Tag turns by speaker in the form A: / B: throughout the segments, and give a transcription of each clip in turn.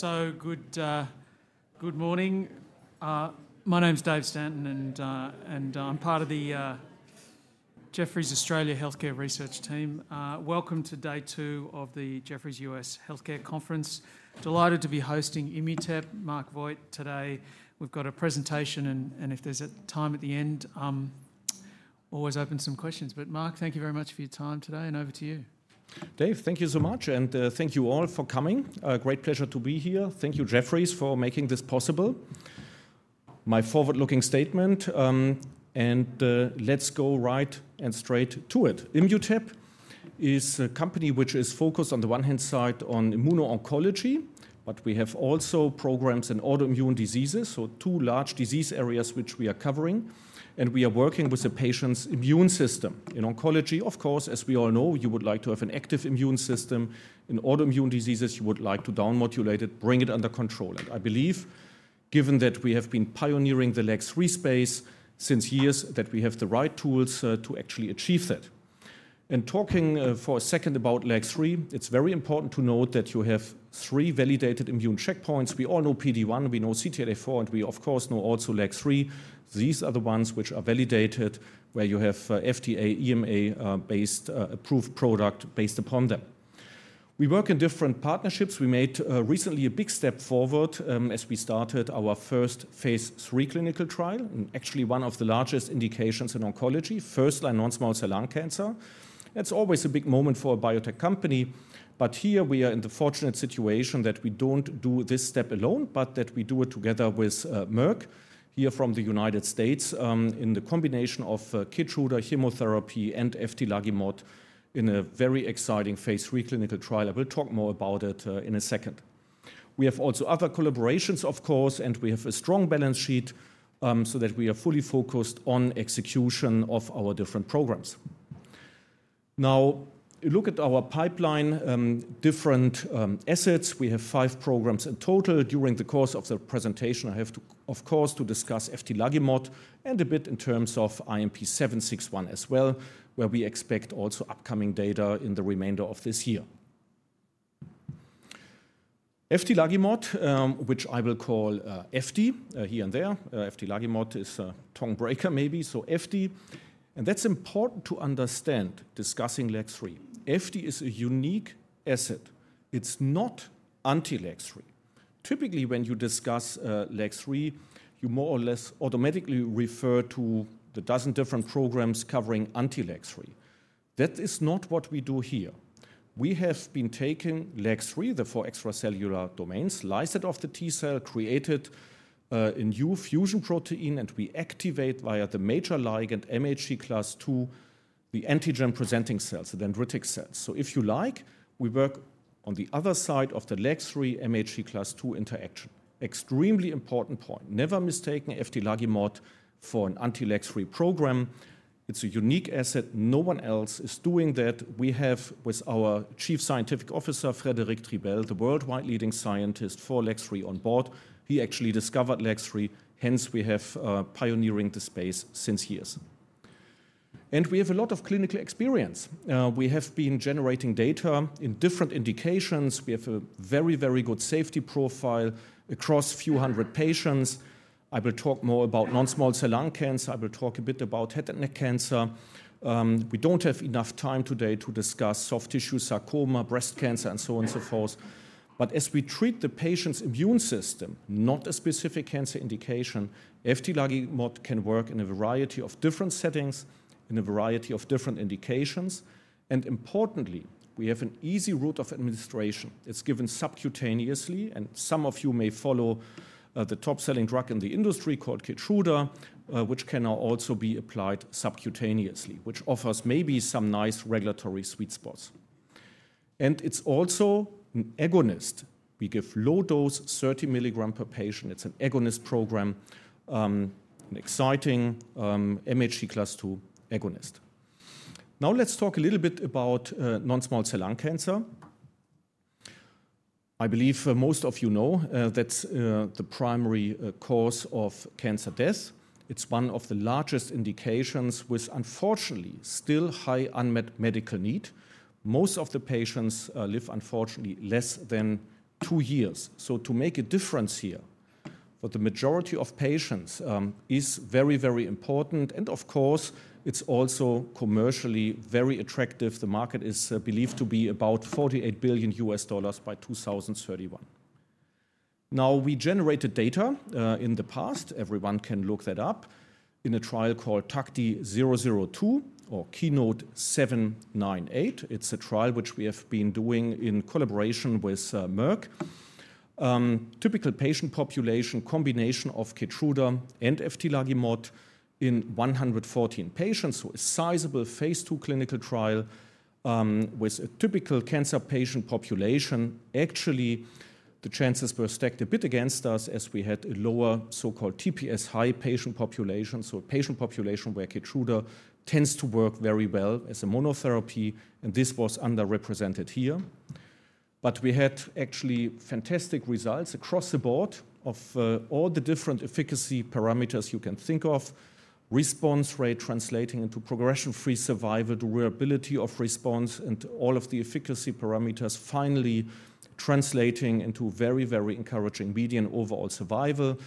A: Good morning. My name's Dave Stanton, and I'm part of the Jefferies Australia Healthcare Research Team. Welcome to Day 2 of the Jefferies U.S. Healthcare Conference. Delighted to be hosting Immutep, Marc Voigt today. We've got a presentation, and if there's time at the end, I'll always open some questions. Marc, thank you very much for your time today, and over to you.
B: Dave, thank you so much, and thank you all for coming. Great pleasure to be here. Thank you, Jefferies, for making this possible. My forward-looking statement, and let's go right and straight to it. Immutep is a company which is focused, on the one hand side, on immuno-oncology, but we have also programs in autoimmune diseases. Two large disease areas which we are covering, and we are working with the patient's immune system. In oncology, of course, as we all know, you would like to have an active immune system. In autoimmune diseases, you would like to down-modulate it, bring it under control. I believe, given that we have been pioneering the LAG-3 space since years, that we have the right tools to actually achieve that. Talking for a second about LAG-3, it's very important to note that you have three validated immune checkpoints. We all know PD-1, we know CTLA-4, and we, of course, know also LAG-3. These are the ones which are validated, where you have FDA EMA-based approved product based upon them. We work in different partnerships. We made recently a big step forward as we started our first phase III clinical trial, and actually one of the largest indications in oncology, first-line non-small cell lung cancer. That's always a big moment for a biotech company, but here we are in the fortunate situation that we don't do this step alone, but that we do it together with Merck here from the United States in the combination of KEYTRUDA, chemotherapy, and eftilagimod in a very exciting phase III clinical trial. I will talk more about it in a second. We have also other collaborations, of course, and we have a strong balance sheet so that we are fully focused on execution of our different programs. Now, look at our pipeline, different assets. We have five programs in total. During the course of the presentation, I have, of course, to discuss eftilagimod and a bit in terms of IMP761 as well, where we expect also upcoming data in the remainder of this year. Eftilagimod, which I will call FD here and there, eftilagimod is a tongue breaker maybe, so FD. That is important to understand discussing LAG-3. FD is a unique asset. It is not anti-LAG-3. Typically, when you discuss LAG-3, you more or less automatically refer to the dozen different programs covering anti-LAG-3. That is not what we do here. We have been taking LAG-3, the four extracellular domains, lysed off the T-cell, created a new fusion protein, and we activate via the major ligand MHC class II the antigen-presenting cells, the dendritic cells. If you like, we work on the other side of the LAG-3 MHC class II interaction. Extremely important point. Never mistake eftilagimod for an anti-LAG-3 program. It's a unique asset. No one else is doing that. We have, with our Chief Scientific Officer, Frédéric Triebel, the worldwide leading scientist for LAG-3 on board, he actually discovered LAG-3, hence we have pioneering the space since years. We have a lot of clinical experience. We have been generating data in different indications. We have a very, very good safety profile across a few hundred patients. I will talk more about non-small cell lung cancer. I will talk a bit about head and neck cancer. We don't have enough time today to discuss soft tissue sarcoma, breast cancer, and so on and so forth. As we treat the patient's immune system, not a specific cancer indication, eftilagimod can work in a variety of different settings, in a variety of different indications. Importantly, we have an easy route of administration. It's given subcutaneously, and some of you may follow the top-selling drug in the industry called KEYTRUDA, which can now also be applied subcutaneously, which offers maybe some nice regulatory sweet spots. It's also an agonist. We give low dose, 30 milligram per patient. It's an agonist program, an exciting MHC class II agonist. Now, let's talk a little bit about non-small cell lung cancer. I believe most of you know that's the primary cause of cancer death. It's one of the largest indications with, unfortunately, still high unmet medical need. Most of the patients live, unfortunately, less than two years. To make a difference here for the majority of patients is very, very important. Of course, it's also commercially very attractive. The market is believed to be about $48 billion by 2031. Now, we generated data in the past. Everyone can look that up in a trial called TACTI-002 or KEYNOT-798. It's a trial which we have been doing in collaboration with Merck. Typical patient population combination of KEYTRUDA and eftilagimod in 114 patients, so a sizable phase II clinical trial with a typical cancer patient population. Actually, the chances were stacked a bit against us as we had a lower so-called TPS high patient population. A patient population where KEYTRUDA tends to work very well as a monotherapy, and this was underrepresented here. We had actually fantastic results across the Board of all the different efficacy parameters you can think of: response rate translating into progression-free survival, durability of response, and all of the efficacy parameters finally translating into very, very encouraging median overall survival.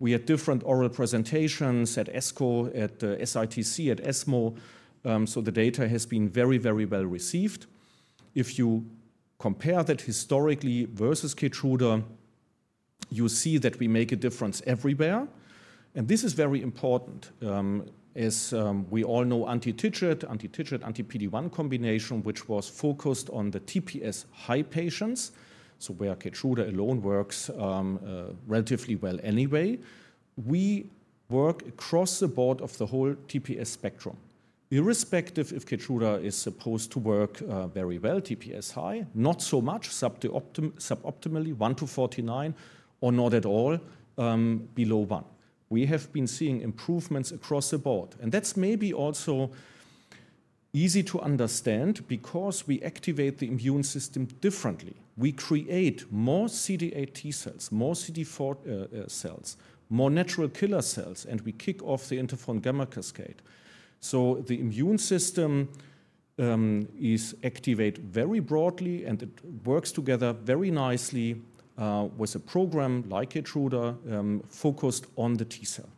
B: We had different oral presentations at ASCO, at SITC, at ESMO. The data has been very, very well received. If you compare that historically versus KEYTRUDA, you see that we make a difference everywhere. This is very important. As we all know, anti-CTLA-4, anti-CTLA-4, anti-PD-1 combination, which was focused on the TPS high patients, so where KEYTRUDA alone works relatively well anyway, we work across the board of the whole TPS spectrum, irrespective if KEYTRUDA is supposed to work very well, TPS high, not so much, suboptimally, one to 49, or not at all below one. We have been seeing improvements across the Board. That is maybe also easy to understand because we activate the immune system differently. We create more CD8 T cells, more CD4 cells, more natural killer cells, and we kick off the interferon gamma cascade. The immune system is activated very broadly, and it works together very nicely with a program like KEYTRUDA focused on the T-cell.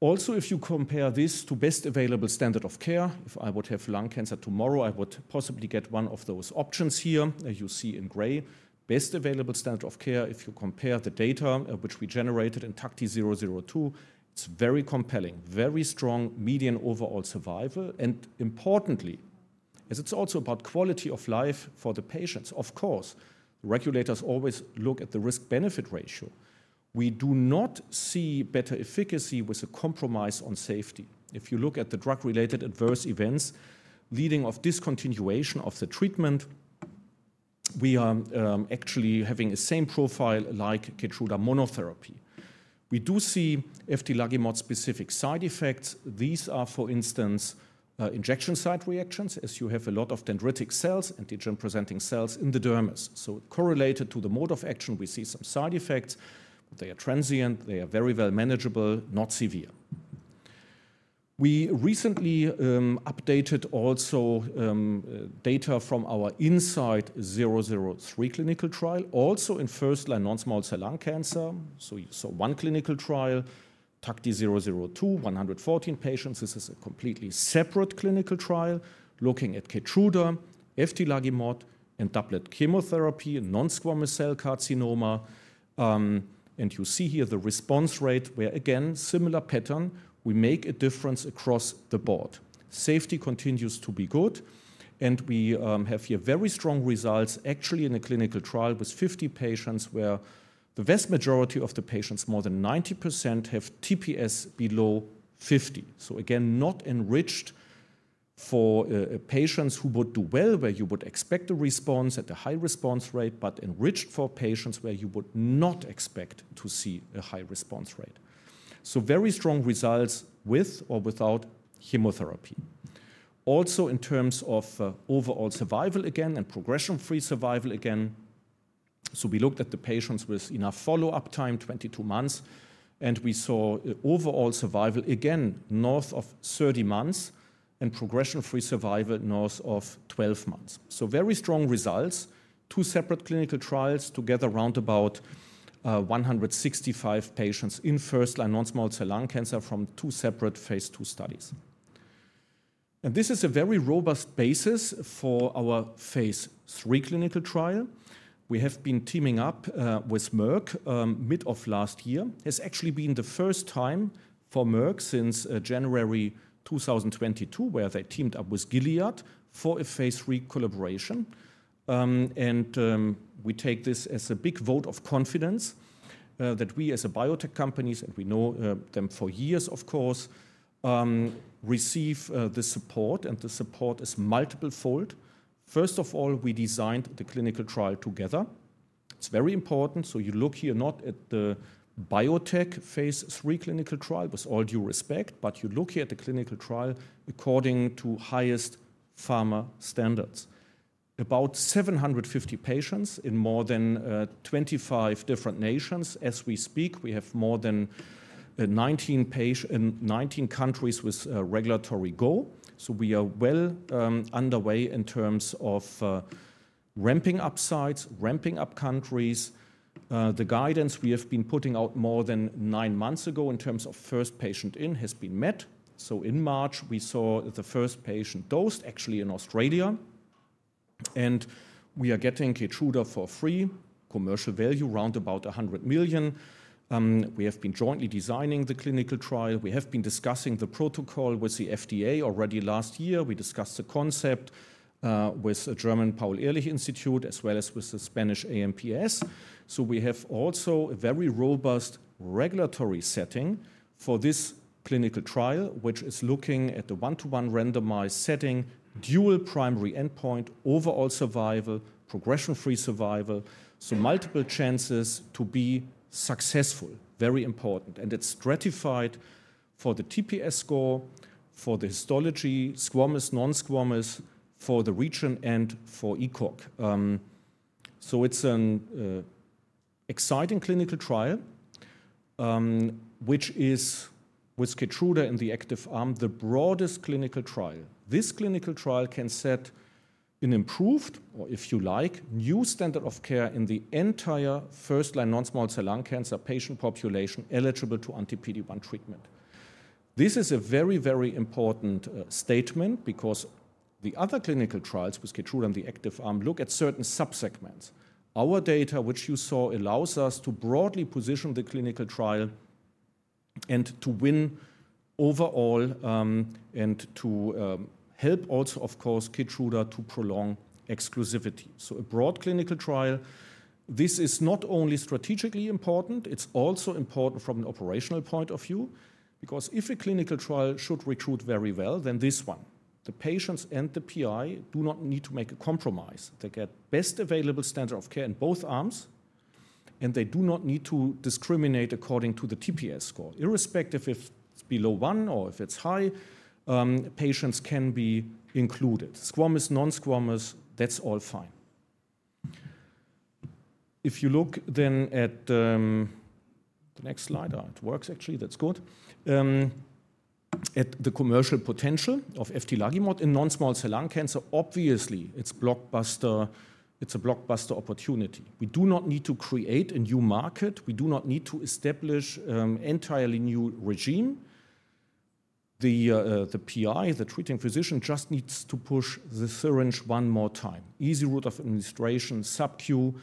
B: Also, if you compare this to best available standard of care, if I would have lung cancer tomorrow, I would possibly get one of those options here that you see in gray. Best available standard of care, if you compare the data which we generated in TACTI-002, it is very compelling, very strong median overall survival. Importantly, as it is also about quality of life for the patients, of course, regulators always look at the risk-benefit ratio. We do not see better efficacy with a compromise on safety. If you look at the drug-related adverse events, leading to discontinuation of the treatment, we are actually having the same profile like KEYTRUDA monotherapy. We do see eftilagimod-specific side effects. These are, for instance, injection site reactions, as you have a lot of dendritic cells, antigen-presenting cells in the dermis. Correlated to the mode of action, we see some side effects. They are transient. They are very well manageable, not severe. We recently updated also data from our INSIGHT-003 clinical trial, also in first-line non-small cell lung cancer. You saw one clinical trial, TACTI-002, 114 patients. This is a completely separate clinical trial looking at KEYTRUDA, eftilagimod, and doublet chemotherapy, non-squamous cell carcinoma. You see here the response rate where, again, similar pattern, we make a difference across the Board. Safety continues to be good, and we have here very strong results, actually in a clinical trial with 50 patients where the vast majority of the patients, more than 90%, have TPS below 50. Again, not enriched for patients who would do well where you would expect a response at a high response rate, but enriched for patients where you would not expect to see a high response rate. Very strong results with or without chemotherapy. Also, in terms of overall survival again and progression-free survival again, we looked at the patients with enough follow-up time, 22 months, and we saw overall survival again north of 30 months and progression-free survival north of 12 months. Very strong results, two separate clinical trials together round about 165 patients in first-line non-small cell lung cancer from two separate phase II studies. This is a very robust basis for our phase III clinical trial. We have been teaming up with Merck mid of last year. It has actually been the first time for Merck since January 2022 where they teamed up with Gilead for a phase III collaboration. We take this as a big vote of confidence that we as a biotech company, and we know them for years, of course, receive the support, and the support is multiple-fold. First of all, we designed the clinical trial together. It's very important. You look here not at the biotech phase III clinical trial with all due respect, but you look here at the clinical trial according to highest pharma standards. About 750 patients in more than 25 different nations as we speak. We have more than 19 countries with regulatory go. We are well underway in terms of ramping up sites, ramping up countries. The guidance we have been putting out more than nine months ago in terms of first patient in has been met. In March, we saw the first patient dosed actually in Australia, and we are getting KEYTRUDA for free, commercial value round about $100 million. We have been jointly designing the clinical trial. We have been discussing the protocol with the FDA already last year. We discussed the concept with the German Paul-Ehrlich Institut as well as with the Spanish AEMPS. We have also a very robust regulatory setting for this clinical trial, which is looking at the one-to-one randomized setting, dual primary endpoint, overall survival, progression-free survival. Multiple chances to be successful, very important. It is stratified for the TPS score, for the histology, squamous, non-squamous, for the region, and for ECOG. It's an exciting clinical trial, which is with KEYTRUDA in the active arm, the broadest clinical trial. This clinical trial can set an improved, or if you like, new standard of care in the entire first-line non-small cell lung cancer patient population eligible to anti-PD-1 treatment. This is a very, very important statement because the other clinical trials with KEYTRUDA in the active arm look at certain subsegments. Our data, which you saw, allows us to broadly position the clinical trial and to win overall and to help also, of course, KEYTRUDA to prolong exclusivity. A broad clinical trial. This is not only strategically important, it's also important from an operational point of view because if a clinical trial should recruit very well, then this one, the patients and the PI do not need to make a compromise. They get best available standard of care in both arms, and they do not need to discriminate according to the TPS score. Irrespective if it's below one or if it's high, patients can be included. Squamous, non-squamous, that's all fine. If you look then at the next slide, it works actually, that's good. At the commercial potential of eftilagimod in non-small cell lung cancer, obviously it's a blockbuster opportunity. We do not need to create a new market. We do not need to establish an entirely new regime. The PI, the treating physician, just needs to push the syringe one more time. Easy route of administration, sub-Q,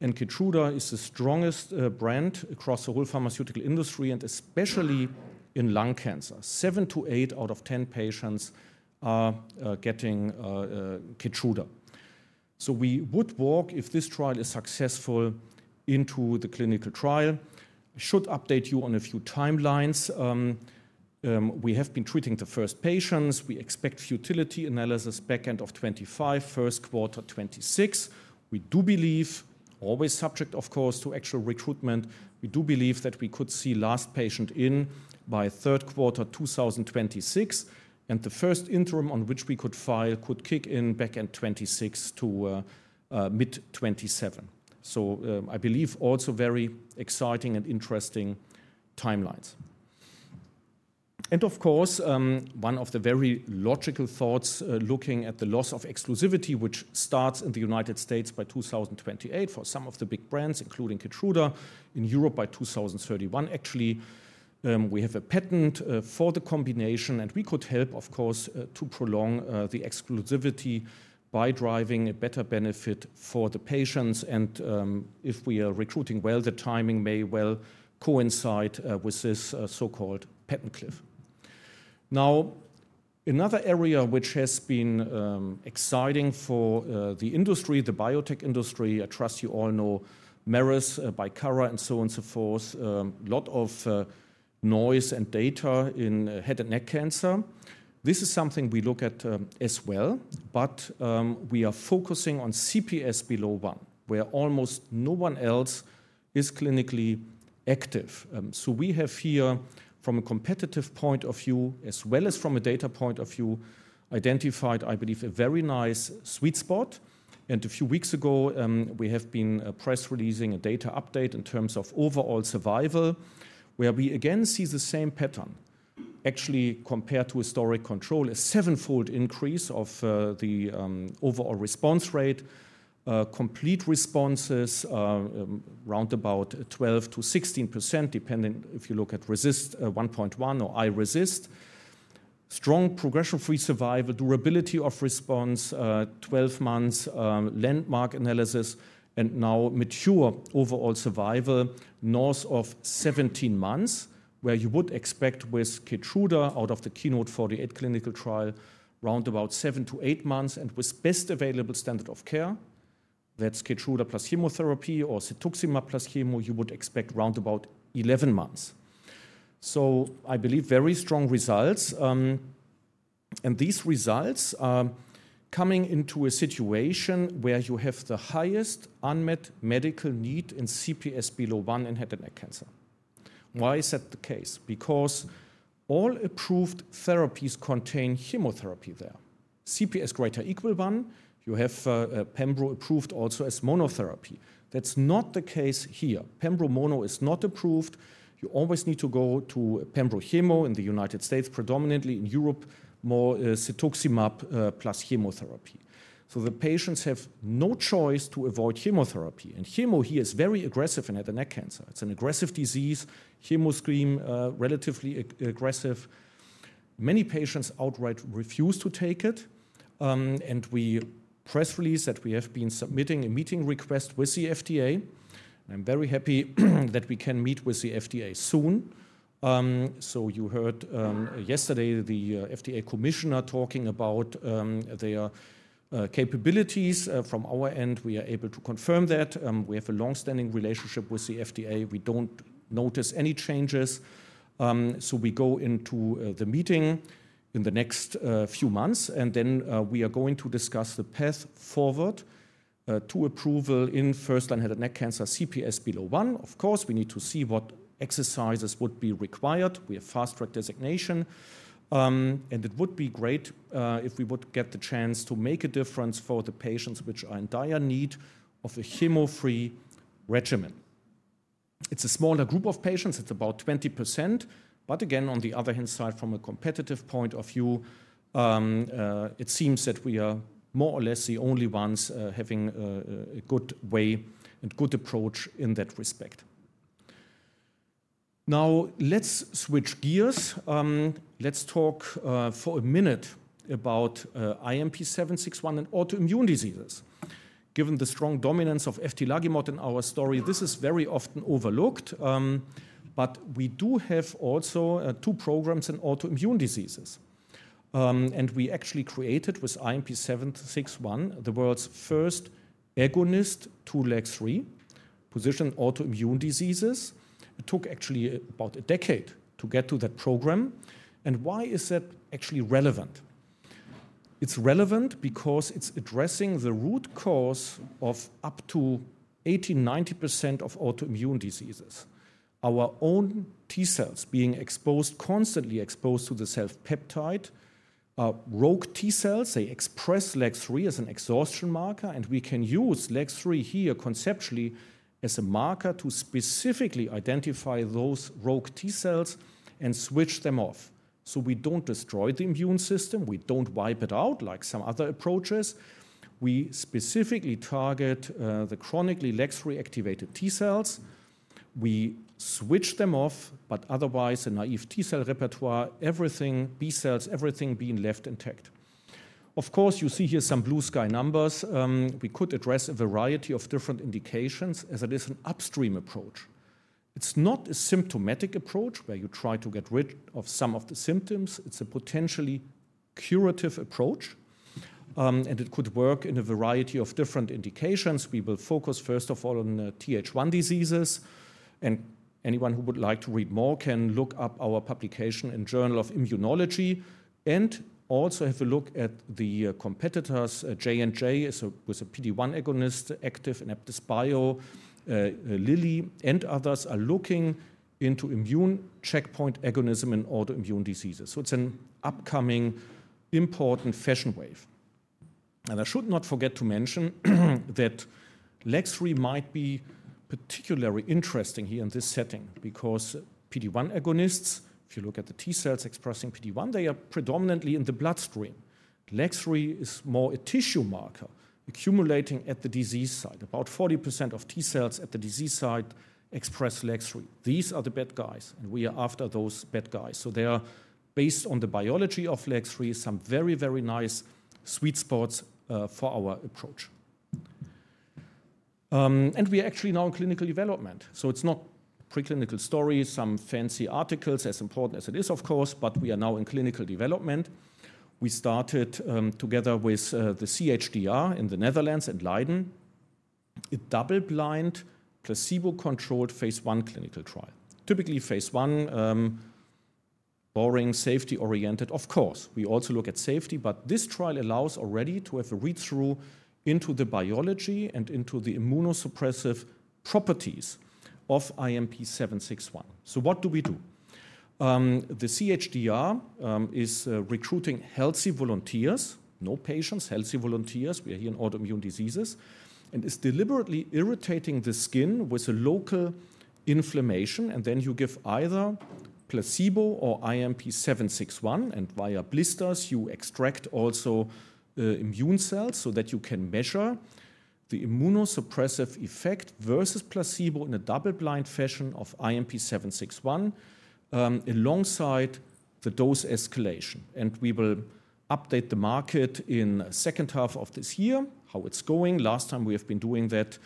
B: and KEYTRUDA is the strongest brand across the whole pharmaceutical industry and especially in lung cancer. Seven to eight out of 10 patients are getting KEYTRUDA. We would walk if this trial is successful into the clinical trial. I should update you on a few timelines. We have been treating the first patients. We expect futility analysis back end of 2025, first quarter 2026. We do believe, always subject of course to actual recruitment, we do believe that we could see last patient in by third quarter 2026. The first interim on which we could file could kick in back end 2026 to mid-2027. I believe also very exciting and interesting timelines. Of course, one of the very logical thoughts looking at the loss of exclusivity, which starts in the United States by 2028 for some of the big brands, including KEYTRUDA, in Europe by 2031 actually. We have a patent for the combination, and we could help of course to prolong the exclusivity by driving a better benefit for the patients. If we are recruiting well, the timing may well coincide with this so-called patent cliff. Another area which has been exciting for the industry, the biotech industry, I trust you all know [MRIs], and so on and so forth, a lot of noise and data in head and neck cancer. This is something we look at as well, but we are focusing on CPS below 1 where almost no one else is clinically active. We have here from a competitive point of view as well as from a data point of view identified, I believe, a very nice sweet spot. A few weeks ago, we have been press releasing a data update in terms of overall survival where we again see the same pattern actually compared to historic control, a seven-fold increase of the overall response rate, complete responses round about 12%-16% depending if you look at RECIST 1.1 or iRECIST. Strong progression-free survival, durability of response, 12 months landmark analysis, and now mature overall survival north of 17 months where you would expect with KEYTRUDA out of the KEYNOTE-48 clinical trial, round about seven to eight months. With best available standard of care, that's KEYTRUDA plus chemotherapy or cetuximab plus chemo, you would expect round about 11 months. I believe very strong results. These results are coming into a situation where you have the highest unmet medical need in CPS below one in head and neck cancer. Why is that the case? Because all approved therapies contain chemotherapy there. CPS greater equal one, you have Pembro approved also as monotherapy. That's not the case here. Pembro mono is not approved. You always need to go to Pembro chemo in the United States predominantly, in Europe more cetuximab plus chemotherapy. The patients have no choice to avoid chemotherapy. Chemo here is very aggressive in head and neck cancer. It's an aggressive disease, chemo screen relatively aggressive. Many patients outright refuse to take it. We press release that we have been submitting a meeting request with the FDA. I'm very happy that we can meet with the FDA soon. You heard yesterday the FDA commissioner talking about their capabilities. From our end, we are able to confirm that we have a long-standing relationship with the FDA. We don't notice any changes. We go into the meeting in the next few months, and then we are going to discuss the path forward to approval in first-line head and neck cancer CPS below one. Of course, we need to see what exercises would be required. We have fast track designation, and it would be great if we would get the chance to make a difference for the patients which are in dire need of a chemo free regimen. It's a smaller group of patients. It's about 20%. Again, on the other hand side, from a competitive point of view, it seems that we are more or less the only ones having a good way and good approach in that respect. Now, let's switch gears. Let's talk for a minute about IMP761 and autoimmune diseases. Given the strong dominance of eftilagimod in our story, this is very often overlooked. We do have also two programs in autoimmune diseases. We actually created with IMP761 the world's first agonist to LAG-3 position autoimmune diseases. It took actually about a decade to get to that program. Why is that actually relevant? It's relevant because it's addressing the root cause of up to 80%, 90% of autoimmune diseases. Our own T-cells being exposed, constantly exposed to the self peptide, rogue T-cells, they express LAG-3 as an exhaustion marker. We can use LAG-3 here conceptually as a marker to specifically identify those rogue T-cells and switch them off. We do not destroy the immune system. We do not wipe it out like some other approaches. We specifically target the chronically LAG-3 activated T-cells. We switch them off, but otherwise a naive T-cell repertoire, everything B cells, everything being left intact. Of course, you see here some blue sky numbers. We could address a variety of different indications as it is an upstream approach. It's not a symptomatic approach where you try to get rid of some of the symptoms. It's a potentially curative approach, and it could work in a variety of different indications. We will focus first of all on TH1 diseases. Anyone who would like to read more can look up our publication in Journal of Immunology and also have a look at the competitors. J&J is with a PD-1 agonist active in AnaptysBio, Eli Lilly and others are looking into immune checkpoint agonism in autoimmune diseases. It is an upcoming important fashion wave. I should not forget to mention that LAG-3 might be particularly interesting here in this setting because PD-1 agonists, if you look at the T-cells expressing PD-1, they are predominantly in the bloodstream. LAG-3 is more a tissue marker accumulating at the disease site. About 40% of T-cells at the disease site express LAG-3. These are the bad guys, and we are after those bad guys. They are, based on the biology of LAG-3, some very, very nice sweet spots for our approach. We are actually now in clinical development. It is not a preclinical story, some fancy articles as important as it is, of course, but we are now in clinical development. We started together with the CHDR in the Netherlands and Leiden a double-blind placebo-controlled phase I clinical trial. Typically, phase I, boring, safety oriented, of course. We also look at safety, but this trial allows already to have a read-through into the biology and into the immunosuppressive properties of IMP761. So, what do we do? The CHDR is recruiting healthy volunteers, no patients, healthy volunteers. We are here in autoimmune diseases and is deliberately irritating the skin with a local inflammation. And then you give either placebo or IMP761, and via blisters you extract also immune cells so that you can measure the immunosuppressive effect versus placebo in a double-blind fashion of IMP761 alongside the dose escalation. We will update the market in the second half of this year how it's going. Last time we have been doing that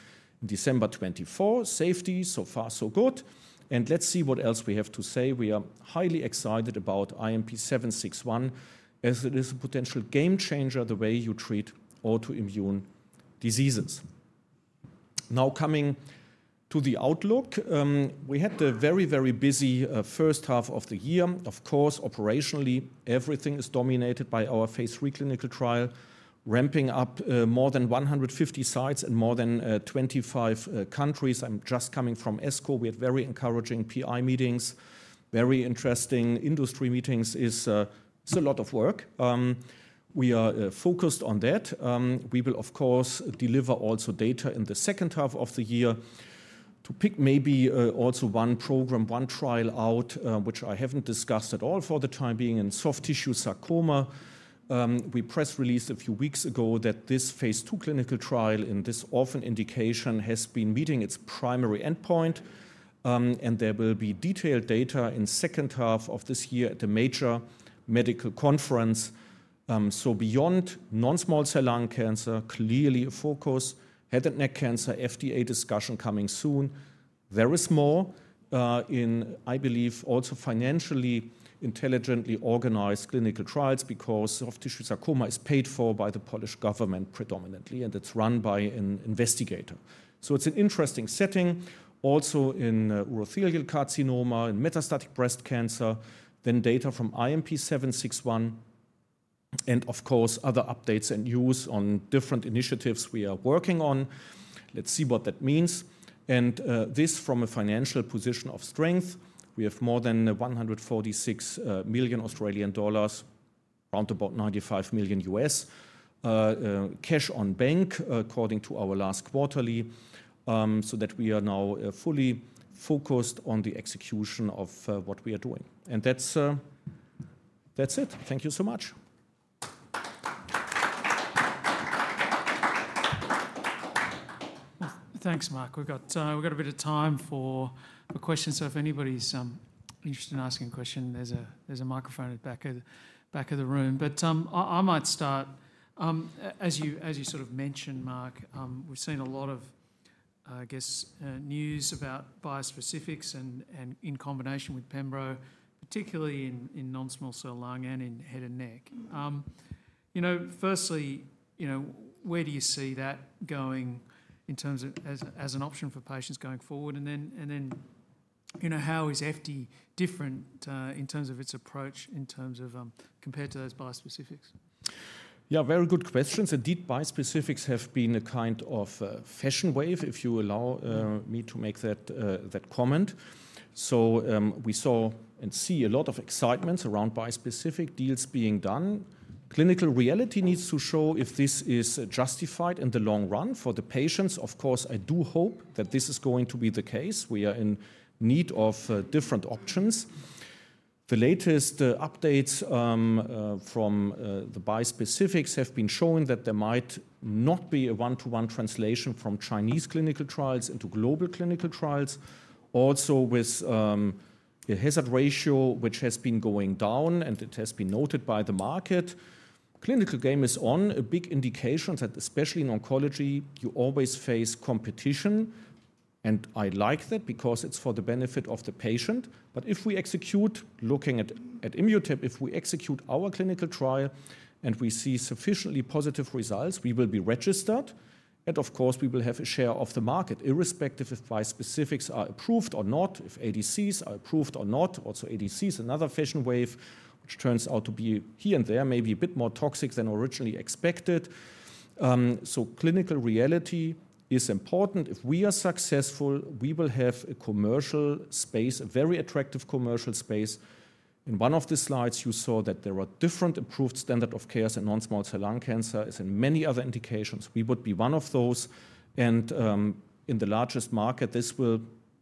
B: in December 2024. Safety so far, so good. Let's see what else we have to say. We are highly excited about IMP761 as it is a potential game changer the way you treat autoimmune diseases. Now coming to the outlook, we had a very, very busy first half of the year. Of course, operationally everything is dominated by our phase III clinical trial ramping up more than 150 sites in more than 25 countries. I'm just coming from ASCO. We had very encouraging PI meetings, very interesting industry meetings. It's a lot of work. We are focused on that. We will, of course, deliver also data in the second half of the year to pick maybe also one program, one trial out which I haven't discussed at all for the time being in soft tissue sarcoma. We press released a few weeks ago that this phase II clinical trial in this orphan indication has been meeting its primary endpoint. There will be detailed data in the second half of this year at the major medical conference. Beyond non-small cell lung cancer, clearly a focus head and neck cancer FDA discussion coming soon. There is more in, I believe, also financially intelligently organized clinical trials because soft tissue sarcoma is paid for by the Polish government predominantly, and it's run by an investigator. It's an interesting setting also in urothelial carcinoma and metastatic breast cancer. Data from IMP761 and, of course, other updates and news on different initiatives we are working on. Let's see what that means. This from a financial position of strength. We have more than 146 million Australian dollars, round about $95 million cash on bank according to our last quarterly so that we are now fully focused on the execution of what we are doing. That's it. Thank you so much.
A: Thanks, Marc. We've got a bit of time for a question. If anybody's interested in asking a question, there's a microphone at the back of the room. I might start. As you sort of mentioned, Marc, we've seen a lot of, I guess, news about bispecifics and in combination with pembro, particularly in non-small cell lung and in head and neck. Firstly, where do you see that going in terms of as an option for patients going forward? How is FD different in terms of its approach compared to those bispecifics?
B: Yeah, very good questions. Indeed, bispecifics have been a kind of fashion wave, if you allow me to make that comment. We saw and see a lot of excitement around bispecific deals being done. Clinical reality needs to show if this is justified in the long run for the patients. Of course, I do hope that this is going to be the case. We are in need of different options. The latest updates from the bispecifics have been showing that there might not be a one-to-one translation from Chinese clinical trials into global clinical trials. Also with a hazard ratio which has been going down and it has been noted by the market. Clinical game is on. A big indication that especially in oncology, you always face competition. I like that because it's for the benefit of the patient. If we execute, looking at Immutep, if we execute our clinical trial and we see sufficiently positive results, we will be registered. Of course, we will have a share of the market irrespective if bispecifics are approved or not, if ADCs are approved or not. Also, ADC is another fashion wave which turns out to be here and there, maybe a bit more toxic than originally expected. Clinical reality is important. If we are successful, we will have a commercial space, a very attractive commercial space. In one of the slides, you saw that there are different approved standards of care for non-small cell lung cancer as in many other indications. We would be one of those. In the largest market, this will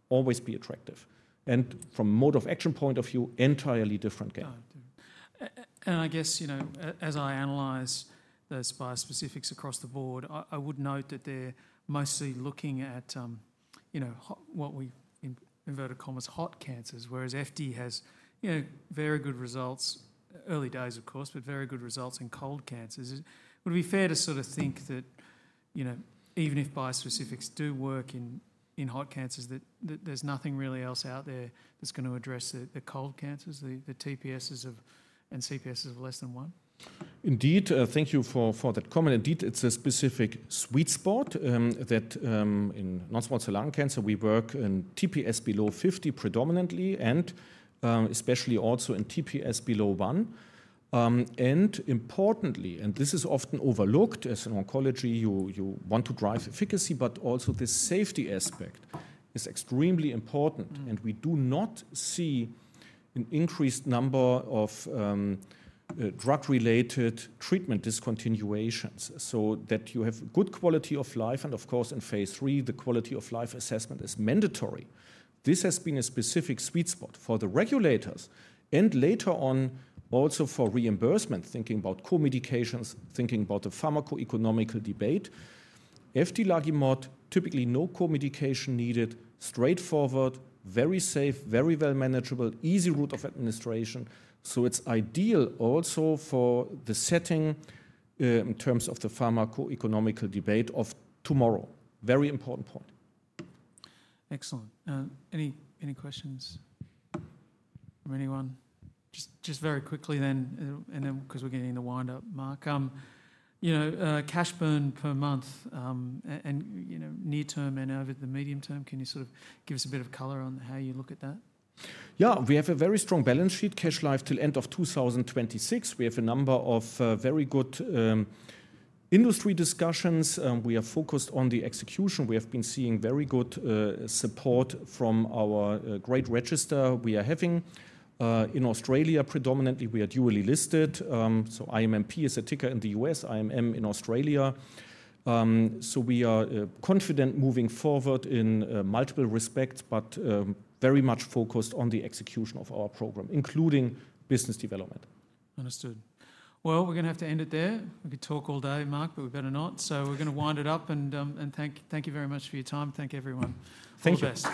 B: always be attractive. From a mode of action point of view, entirely different game.
A: I guess, you know, as I analyze those biospecifics across the Board, I would note that they're mostly looking at what we, in inverted commas, hot cancers, whereas FD has very good results, early days of course, but very good results in cold cancers. Would it be fair to sort of think that even if biospecifics do work in hot cancers, that there's nothing really else out there that's going to address the cold cancers, the TPSs and CPSs of less than one?
B: Indeed, thank you for that comment. Indeed, it's a specific sweet spot that in non-small cell lung cancer, we work in TPS below 50 predominantly and especially also in TPS below one. Importantly, and this is often overlooked as in oncology, you want to drive efficacy, but also the safety aspect is extremely important. We do not see an increased number of drug-related treatment discontinuations so that you have good quality of life. Of course, in phase III, the quality of life assessment is mandatory. This has been a specific sweet spot for the regulators and later on also for reimbursement, thinking about co-medications, thinking about the pharmacoeconomical debate. Eftilagimod, typically no co-medication needed, straightforward, very safe, very well manageable, easy route of administration. It is ideal also for the setting in terms of the pharmacoeconomical debate of tomorrow. Very important point.
A: Excellent. Any questions from anyone? Just very quickly then, and then because we're getting the wind up, Marc. Cash burn per month and near-term and over the medium-term, can you sort of give us a bit of color on how you look at that?
B: Yeah, we have a very strong balance sheet, cash live till end of 2026. We have a number of very good industry discussions. We are focused on the execution. We have been seeing very good support from our great register we are having. In Australia, predominantly, we are dually listed. IMMP is a ticker in the U.S., IMM in Australia. We are confident moving forward in multiple respects, but very much focused on the execution of our program, including business development.
A: Understood. We are going to have to end it there. We could talk all day, Marc, but we better not. We are going to wind it up. Thank you very much for your time. Thank you, everyone.
B: Thank you.